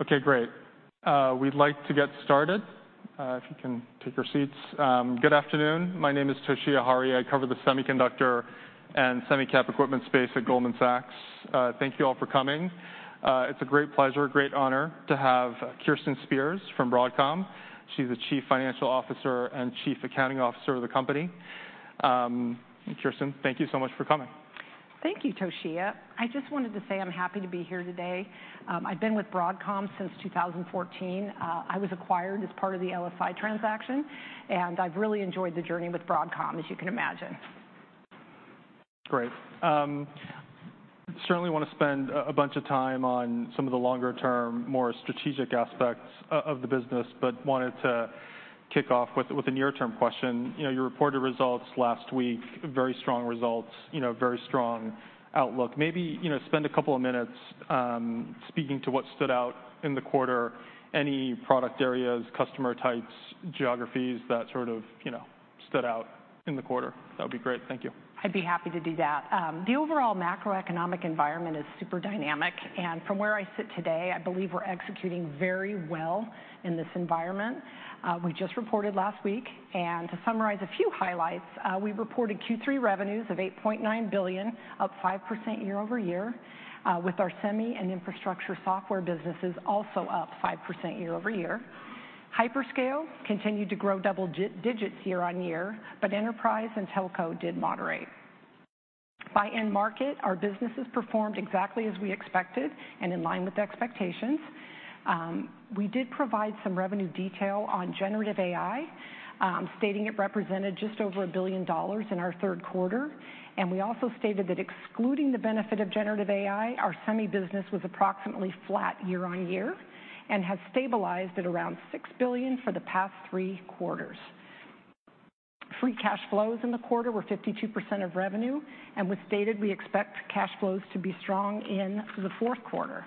Okay, great. We'd like to get started, if you can take your seats. Good afternoon. My name is Toshiya Hari. I cover the semiconductor and semi-cap equipment space at Goldman Sachs. Thank you all for coming. It's a great pleasure, a great honor to have Kirsten Spears from Broadcom. She's the Chief Financial Officer and Chief Accounting Officer of the company. Kirsten, thank you so much for coming. Thank you, Toshiya. I just wanted to say I'm happy to be here today. I've been with Broadcom since 2014. I was acquired as part of the LSI transaction, and I've really enjoyed the journey with Broadcom, as you can imagine. Great. Certainly want to spend a bunch of time on some of the longer-term, more strategic aspects of the business, but wanted to kick off with a near-term question. You know, you reported results last week, very strong results, you know, very strong outlook. Maybe, you know, spend a couple of minutes speaking to what stood out in the quarter, any product areas, customer types, geographies that sort of, you know, stood out in the quarter. That would be great. Thank you. I'd be happy to do that. The overall macroeconomic environment is super dynamic, and from where I sit today, I believe we're executing very well in this environment. We just reported last week, and to summarize a few highlights, we reported Q3 revenues of $8.9 billion, up 5% year-over-year, with our semi and infrastructure software businesses also up 5% year-over-year. Hyperscale continued to grow double digits year-over-year, but enterprise and telco did moderate. By end market, our businesses performed exactly as we expected and in line with expectations. We did provide some revenue detail on generative AI, stating it represented just over $1 billion in our Q3, and we also stated that excluding the benefit of generative AI, our semi business was approximately flat year-over-year and has stabilized at around $6 billion for the past three quarters. Free cash flows in the quarter were 52% of revenue, and we've stated we expect cash flows to be strong in the Q4.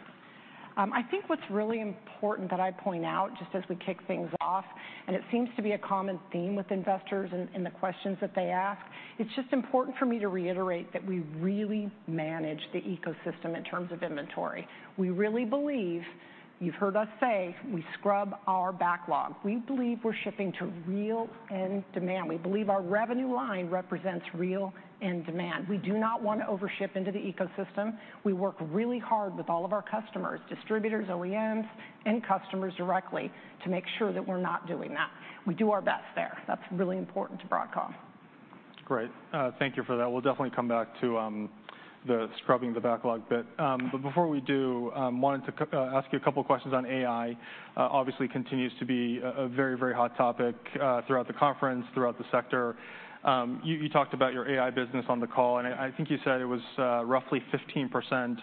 I think what's really important that I point out, just as we kick things off, and it seems to be a common theme with investors in the questions that they ask, it's just important for me to reiterate that we really manage the ecosystem in terms of inventory. We really believe, you've heard us say, we scrub our backlog. We believe we're shipping to real end demand. We believe our revenue line represents real end demand. We do not want to overship into the ecosystem. We work really hard with all of our customers, distributors, OEMs, and customers directly, to make sure that we're not doing that. We do our best there. That's really important to Broadcom. Great. Thank you for that. We'll definitely come back to the scrubbing the backlog bit. But before we do, wanted to ask you a couple questions on AI. Obviously continues to be a very, very hot topic throughout the conference, throughout the sector. You talked about your AI business on the call, and I think you said it was roughly 15%,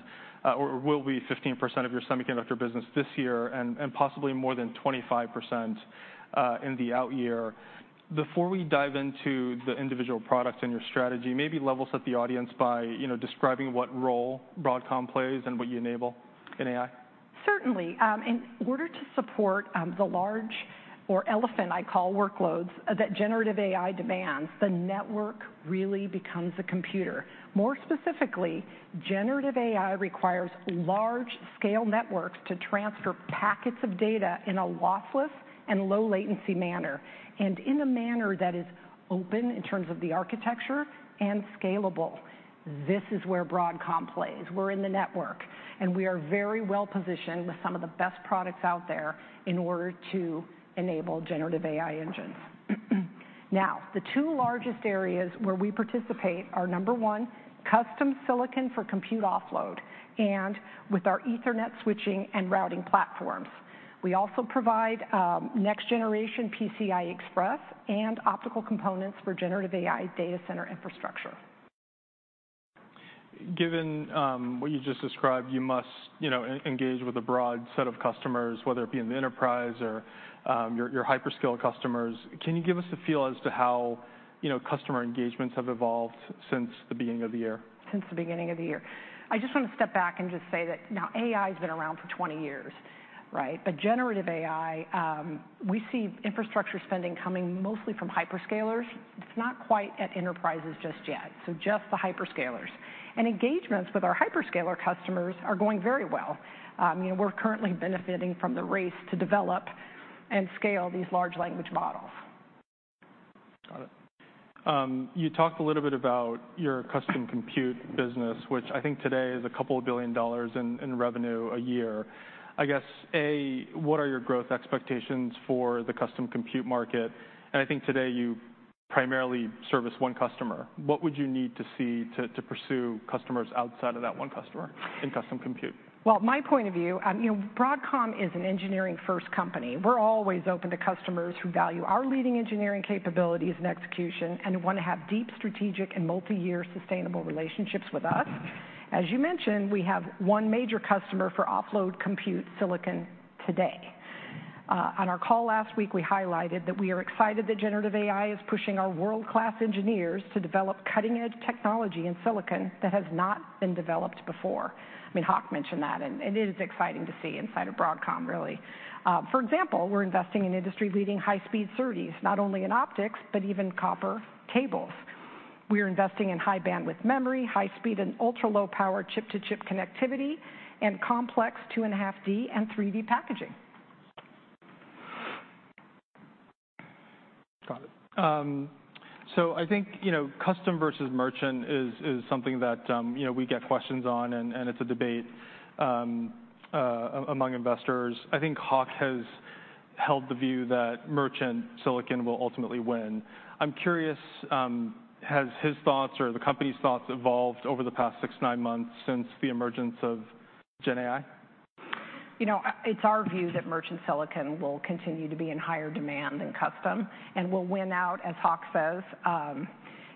or will be 15% of your semiconductor business this year, and possibly more than 25% in the out year. Before we dive into the individual products and your strategy, maybe level set the audience by, you know, describing what role Broadcom plays and what you enable in AI. Certainly. In order to support, the large or elephant workloads that generative AI demands, the network really becomes a computer. More specifically, generative AI requires large-scale networks to transfer packets of data in a lossless and low-latency manner, and in a manner that is open in terms of the architecture and scalable. This is where Broadcom plays. We're in the network, and we are very well-positioned with some of the best products out there in order to enable generative AI engines. Now, the two largest areas where we participate are, number one, custom silicon for compute offload, and with our Ethernet switching and routing platforms. We also provide, next-generation PCI Express and optical components for generative AI data center infrastructure. Given what you just described, you must, you know, engage with a broad set of customers, whether it be in the enterprise or your hyperscale customers. Can you give us a feel as to how, you know, customer engagements have evolved since the beginning of the year? Since the beginning of the year. I just want to step back and just say that, now, AI's been around for 20 years, right? But generative AI, we see infrastructure spending coming mostly from hyperscalers. It's not quite at enterprises just yet, so just the hyperscalers. And engagements with our hyperscaler customers are going very well. And we're currently benefiting from the race to develop and scale these large language models. Got it. You talked a little bit about your custom compute business, which I think today is $2 billion in revenue a year. I guess, A, what are your growth expectations for the custom compute market? And I think today you primarily service one customer. What would you need to see to pursue customers outside of that one customer in custom compute? Well, my point of view, you know, Broadcom is an engineering-first company. We're always open to customers who value our leading engineering capabilities and execution and want to have deep strategic and multi-year sustainable relationships with us. As you mentioned, we have one major customer for offload compute silicon today. On our call last week, we highlighted that we are excited that generative AI is pushing our world-class engineers to develop cutting-edge technology in silicon that has not been developed before. I mean, Hock mentioned that, and it is exciting to see inside of Broadcom, really. For example, we're investing in industry-leading high-speed SerDes, not only in optics but even copper cables... we are investing in high bandwidth memory, high speed and ultra-low power chip-to-chip connectivity, and complex 2.5D and 3D packaging. Got it. So I think, you know, custom versus merchant is something that, you know, we get questions on, and it's a debate among investors. I think Hock has held the view that merchant silicon will ultimately win. I'm curious, has his thoughts or the company's thoughts evolved over the past 6-9 months since the emergence of GenAI? You know, it's our view that merchant silicon will continue to be in higher demand than custom and will win out, as Hock says.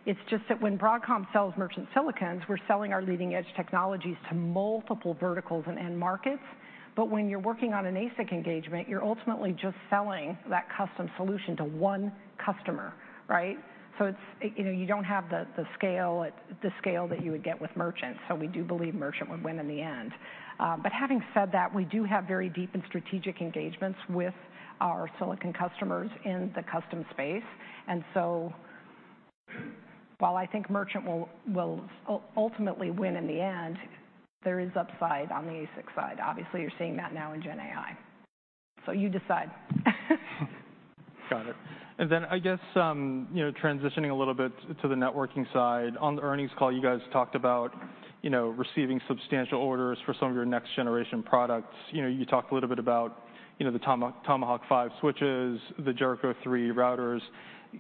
It's just that when Broadcom sells merchant silicons, we're selling our leading-edge technologies to multiple verticals and end markets. But when you're working on an ASIC engagement, you're ultimately just selling that custom solution to one customer, right? So it's you know, you don't have the scale that you would get with merchant, so we do believe merchant would win in the end. But having said that, we do have very deep and strategic engagements with our silicon customers in the custom space, and so while I think merchant will ultimately win in the end, there is upside on the ASIC side. Obviously, you're seeing that now in GenAI. So you decide. Got it. And then I guess, you know, transitioning a little bit to the networking side. On the earnings call, you guys talked about, you know, receiving substantial orders for some of your next-generation products. You know, you talked a little bit about, you know, the Tomahawk 5 switches, the Jericho 3 routers.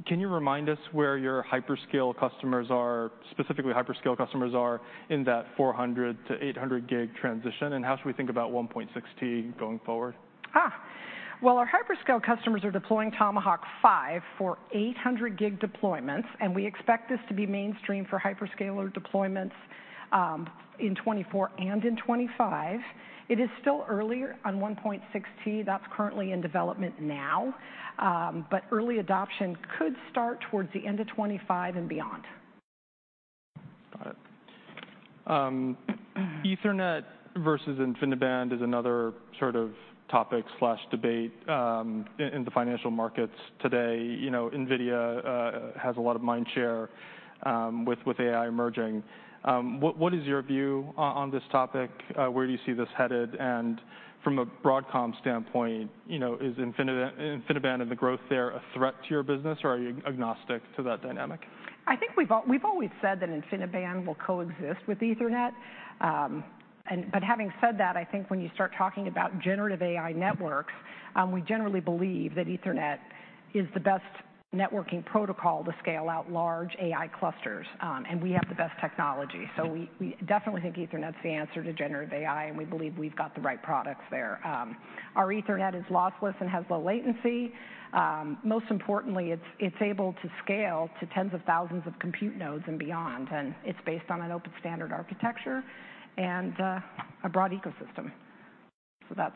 Can you remind us where your hyperscale customers are, specifically hyperscale customers are in that 400-800 gig transition? And how should we think about 1.6T going forward? Ah! Well, our hyperscale customers are deploying Tomahawk 5 for 800G deployments, and we expect this to be mainstream for hyperscaler deployments in 2024 and in 2025. It is still early on 1.6T. That's currently in development now, but early adoption could start towards the end of 2025 and beyond. Got it. Ethernet versus InfiniBand is another sort of topic or debate in the financial markets today. You know, NVIDIA has a lot of mind share with AI emerging. What is your view on this topic? Where do you see this headed? And from a Broadcom standpoint, you know, is InfiniBand and the growth there a threat to your business, or are you agnostic to that dynamic? I think we've always said that InfiniBand will coexist with Ethernet. But having said that, I think when you start talking about generative AI networks, we generally believe that Ethernet is the best networking protocol to scale out large AI clusters, and we have the best technology. So we definitely think Ethernet's the answer to generative AI, and we believe we've got the right products there. Our Ethernet is lossless and has low latency. Most importantly, it's able to scale to tens of thousands of compute nodes and beyond, and it's based on an open standard architecture and a broad ecosystem. So that's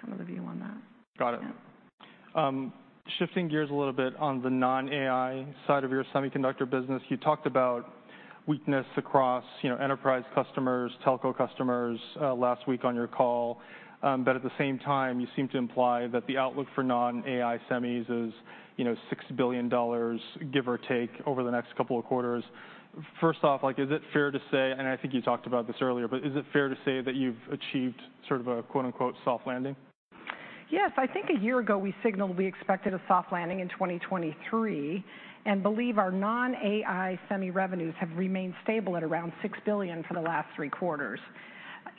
kind of the view on that. Got it. Yeah. Shifting gears a little bit on the non-AI side of your semiconductor business, you talked about weakness across, you know, enterprise customers, telco customers, last week on your call. But at the same time, you seemed to imply that the outlook for non-AI semis is, you know, $6 billion, give or take, over the next couple of quarters. First off, like, is it fair to say, and I think you talked about this earlier, but is it fair to say that you've achieved sort of a, quote-unquote, "soft landing? Yes. I think a year ago, we signaled we expected a soft landing in 2023 and believe our non-AI semi revenues have remained stable at around $6 billion for the last three quarters.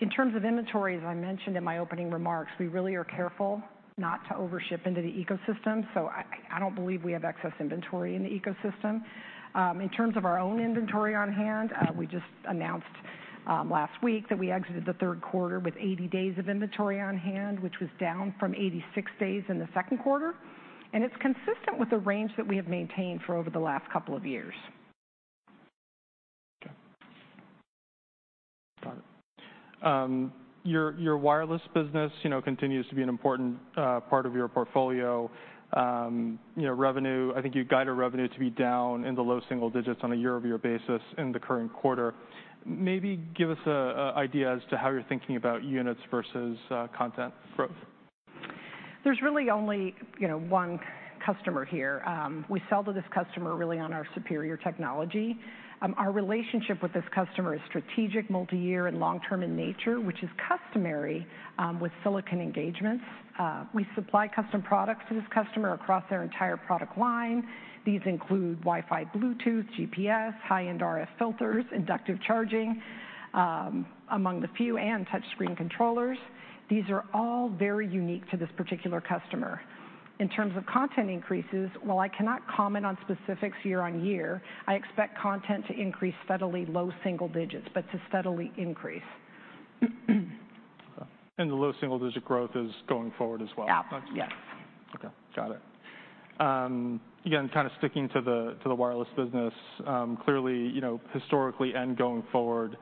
In terms of inventory, as I mentioned in my opening remarks, we really are careful not to overship into the ecosystem, so I don't believe we have excess inventory in the ecosystem. In terms of our own inventory on hand, we just announced last week that we exited the Q3 with 80 days of inventory on hand, which was down from 86 days in the Q2, and it's consistent with the range that we have maintained for over the last couple of years. Okay. Got it. Your, your wireless business, you know, continues to be an important part of your portfolio. You know, revenue, I think you guided revenue to be down in the low single digits on a year-over-year basis in the current quarter. Maybe give us an idea as to how you're thinking about units versus content growth. There's really only, you know, one customer here. We sell to this customer really on our superior technology. Our relationship with this customer is strategic, multi-year, and long-term in nature, which is customary with silicon engagements. We supply custom products to this customer across their entire product line. These include Wi-Fi, Bluetooth, GPS, high-end RF filters, inductive charging, among the few, and touchscreen controllers. These are all very unique to this particular customer. In terms of content increases, while I cannot comment on specifics year on year, I expect content to increase steadily, low single digits, but to steadily increase. The low single-digit growth is going forward as well? Yeah. Gotcha. Yes. Okay, got it. Again, kind of sticking to the wireless business, clearly, you know, historically and going forward,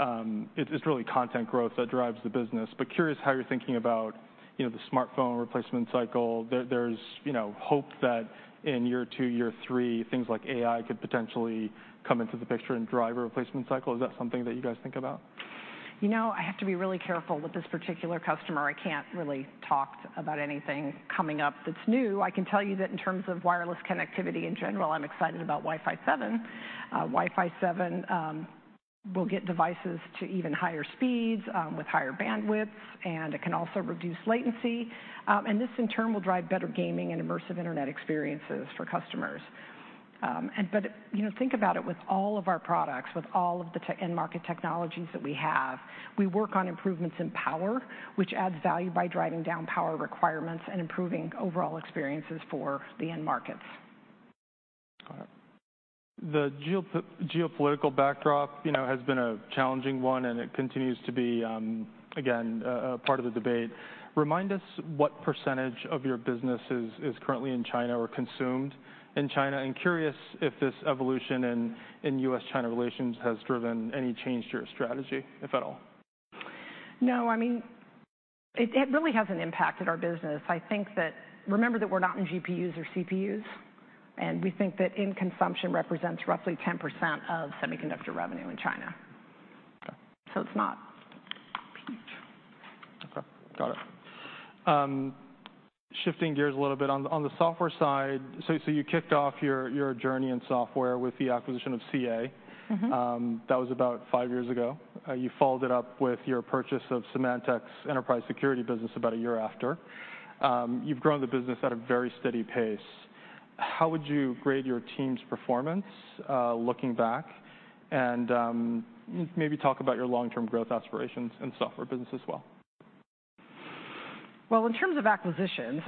it's really content growth that drives the business. But curious how you're thinking about, you know, the smartphone replacement cycle. There's, you know, hope that in year 2, year 3, things like AI could potentially come into the picture and drive a replacement cycle. Is that something that you guys think about?... You know, I have to be really careful with this particular customer. I can't really talk about anything coming up that's new. I can tell you that in terms of wireless connectivity in general, I'm excited about Wi-Fi 7. Wi-Fi 7 will get devices to even higher speeds with higher bandwidth, and it can also reduce latency. And this, in turn, will drive better gaming and immersive internet experiences for customers. But you know, think about it with all of our products, with all of the end market technologies that we have, we work on improvements in power, which adds value by driving down power requirements and improving overall experiences for the end markets. Got it. The geopolitical backdrop, you know, has been a challenging one, and it continues to be, again, a part of the debate. Remind us what percentage of your business is currently in China or consumed in China. I'm curious if this evolution in US-China relations has driven any change to your strategy, if at all? No. I mean, it really hasn't impacted our business. I think that. Remember that we're not in GPUs or CPUs, and we think that end consumption represents roughly 10% of semiconductor revenue in China. Okay. It's not huge. Okay. Got it. Shifting gears a little bit, on the software side, so you kicked off your journey in software with the acquisition of CA. That was about five years ago. You followed it up with your purchase of Symantec's enterprise security business about a year after. You've grown the business at a very steady pace. How would you grade your team's performance, looking back? And maybe talk about your long-term growth aspirations in software business as well. Well, in terms of acquisitions,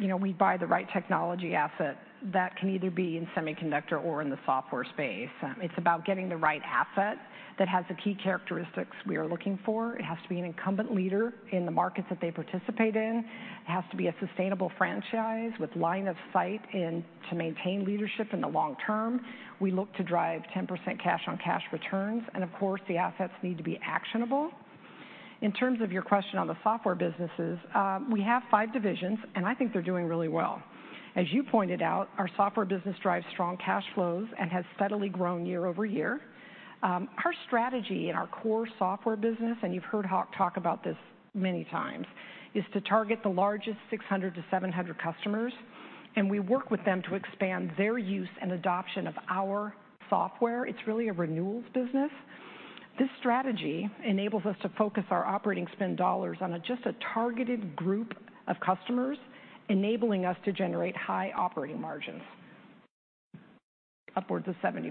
you know, we buy the right technology asset. That can either be in semiconductor or in the software space. It's about getting the right asset that has the key characteristics we are looking for. It has to be an incumbent leader in the markets that they participate in. It has to be a sustainable franchise with line of sight into to maintain leadership in the long term. We look to drive 10% cash-on-cash returns, and of course, the assets need to be actionable. In terms of your question on the software businesses, we have five divisions, and I think they're doing really well. As you pointed out, our software business drives strong cash flows and has steadily grown year-over-year. Our strategy in our core software business, and you've heard Hock talk about this many times, is to target the largest 600-700 customers, and we work with them to expand their use and adoption of our software. It's really a renewals business. This strategy enables us to focus our operating spend dollars on just a targeted group of customers, enabling us to generate high operating margins, upwards of 70%.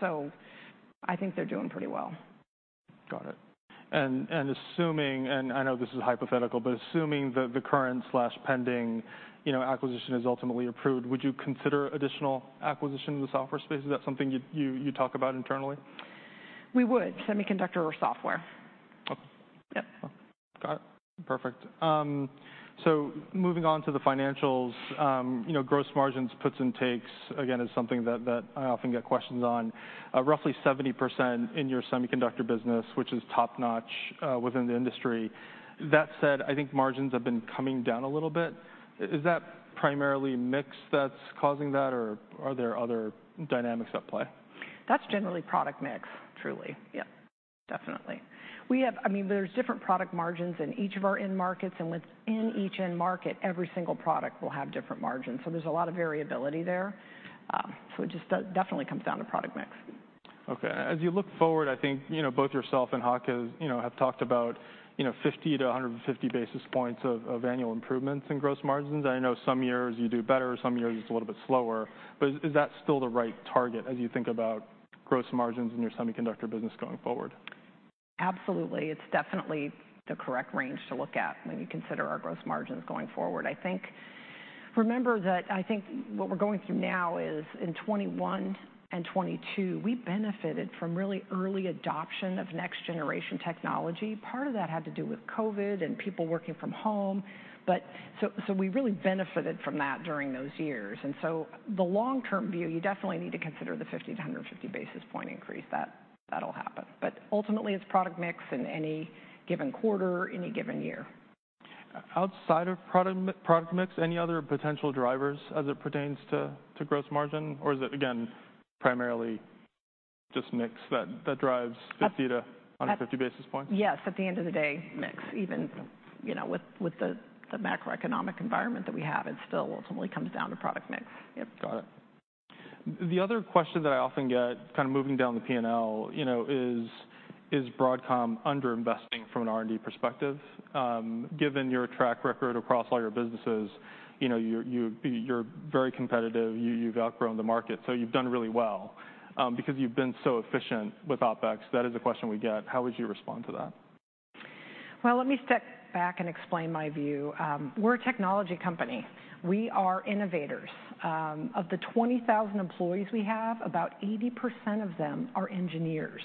So I think they're doing pretty well. Got it. And assuming, I know this is hypothetical, but assuming that the current pending, you know, acquisition is ultimately approved, would you consider additional acquisition in the software space? Is that something you'd talk about internally? We would, semiconductor or software. Okay. Yep. Got it. Perfect. So moving on to the financials, you know, gross margins, puts and takes, again, is something that I often get questions on. Roughly 70% in your semiconductor business, which is top-notch, within the industry. That said, I think margins have been coming down a little bit. Is that primarily mix that's causing that, or are there other dynamics at play? That's generally product mix, truly. Yep, definitely. I mean, there's different product margins in each of our end markets, and within each end market, every single product will have different margins, so there's a lot of variability there. So it just definitely comes down to product mix. Okay. As you look forward, I think, you know, both yourself and Hock, as you know, have talked about, you know, 50-150 basis points of annual improvements in gross margins. I know some years you do better, some years it's a little bit slower, but is that still the right target as you think about gross margins in your semiconductor business going forward? Absolutely. It's definitely the correct range to look at when you consider our gross margins going forward. I think... Remember that, I think, what we're going through now is, in 2021 and 2022, we benefited from really early adoption of next-generation technology. Part of that had to do with COVID and people working from home, but, so, so we really benefited from that during those years. And so the long-term view, you definitely need to consider the 50-150 basis point increase. That, that'll happen, but ultimately, it's product mix in any given quarter, any given year. Outside of product mix, any other potential drivers as it pertains to gross margin, or is it, again, primarily just mix that drives- At- 50-150 basis points? Yes, at the end of the day, mix, even- Yep... you know, with the macroeconomic environment that we have, it still ultimately comes down to product mix. Yep. Got it. The other question that I often get, kind of moving down the P&L, you know, is: Is Broadcom underinvesting from an R&D perspective? Given your track record across all your businesses, you know, you're very competitive. You've outgrown the market, so you've done really well. Because you've been so efficient with OpEx, that is a question we get. How would you respond to that? Well, let me step back and explain my view. We're a technology company. We are innovators. Of the 20,000 employees we have, about 80% of them are engineers,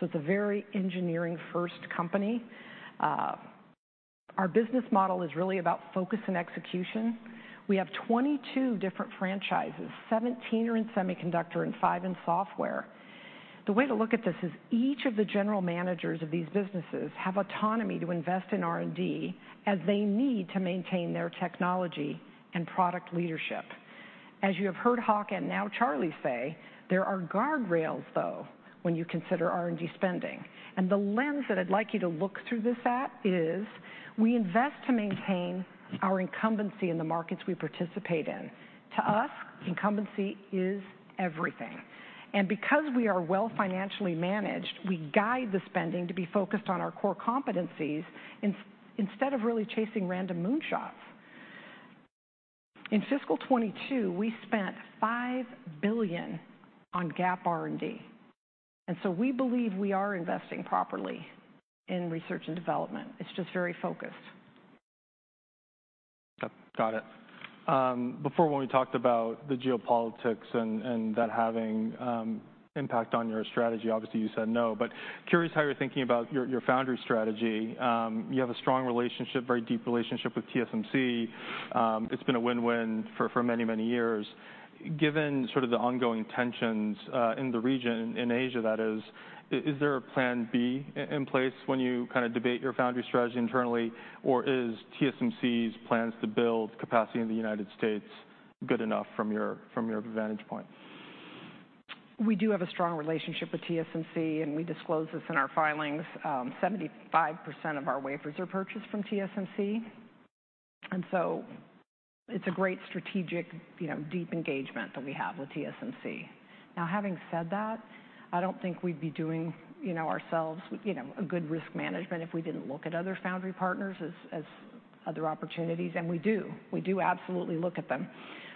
so it's a very engineering-first company. Our business model is really about focus and execution. We have 22 different franchises, 17 are in semiconductor and 5 in software. The way to look at this is each of the general managers of these businesses have autonomy to invest in R&D as they need to maintain their technology and product leadership. As you have heard Hock and now Charlie say, there are guardrails, though, when you consider R&D spending. The lens that I'd like you to look through this at is we invest to maintain our incumbency in the markets we participate in. To us, incumbency is everything, and because we are well financially managed, we guide the spending to be focused on our core competencies instead of really chasing random moonshots. In fiscal 2022, we spent $5 billion on GAAP R&D, and so we believe we are investing properly in research and development. It's just very focused. Yep, got it. Before, when we talked about the geopolitics and that having impact on your strategy, obviously you said no, but curious how you're thinking about your foundry strategy. You have a strong relationship, very deep relationship with TSMC. It's been a win-win for many years. Given sort of the ongoing tensions in the region, in Asia, that is, is there a plan B in place when you kind of debate your foundry strategy internally? Or is TSMC's plans to build capacity in the United States good enough from your vantage point? We do have a strong relationship with TSMC, and we disclose this in our filings. 75% of our wafers are purchased from TSMC, and so it's a great strategic, you know, deep engagement that we have with TSMC. Now, having said that, I don't think we'd be doing, you know, ourselves, you know, a good risk management if we didn't look at other foundry partners as other opportunities, and we do. We do absolutely look at them.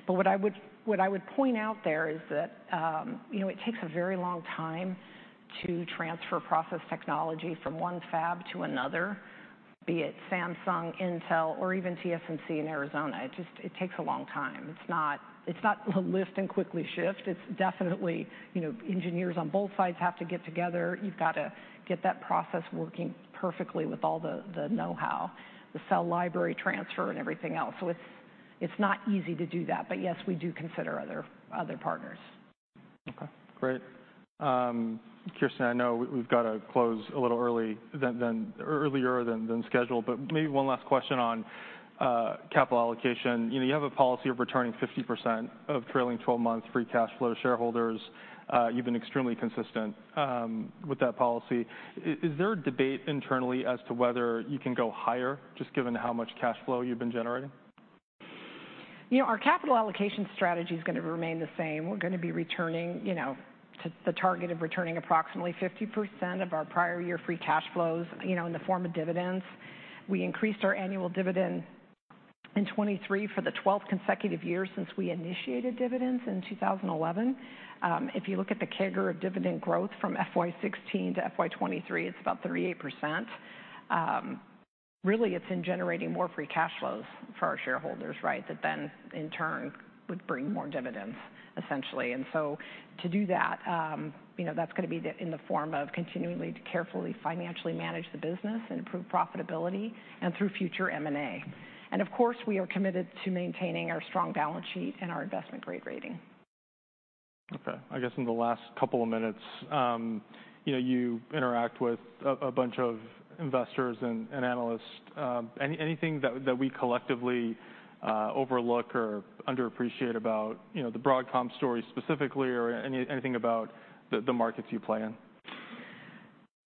But what I would point out there is that, you know, it takes a very long time to transfer process technology from one fab to another, be it Samsung, Intel, or even TSMC in Arizona. It just takes a long time. It's not a lift and quickly shift. It's definitely, you know, engineers on both sides have to get together. You've got to get that process working perfectly with all the know-how, the cell library transfer and everything else. So it's not easy to do that, but yes, we do consider other partners. Okay, great. Kirsten, I know we've got to close a little earlier than scheduled, but maybe one last question on capital allocation. You know, you have a policy of returning 50% of trailing twelve months free cash flow to shareholders. You've been extremely consistent with that policy. Is there a debate internally as to whether you can go higher, just given how much cash flow you've been generating? You know, our capital allocation strategy is going to remain the same. We're going to be returning, you know, to the target of returning approximately 50% of our prior year free cash flows, you know, in the form of dividends. We increased our annual dividend in 2023 for the twelfth consecutive year since we initiated dividends in 2011. If you look at the CAGR of dividend growth from FY16 to FY23, it's about 38%. Really, it's in generating more free cash flows for our shareholders, right? That then, in turn, would bring more dividends, essentially. And so to do that, you know, that's going to be the-- in the form of continually to carefully financially manage the business and improve profitability and through future M&A. And of course, we are committed to maintaining our strong balance sheet and our investment-grade rating. Okay. I guess in the last couple of minutes, you know, you interact with a bunch of investors and analysts. Anything that we collectively overlook or underappreciate about, you know, the Broadcom story specifically, or anything about the markets you play in?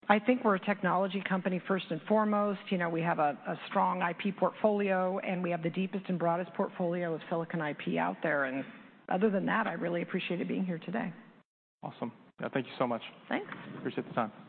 I think we're a technology company first and foremost. You know, we have a strong IP portfolio, and we have the deepest and broadest portfolio of silicon IP out there, and other than that, I really appreciated being here today. Awesome. Thank you so much. Thanks. Appreciate the time.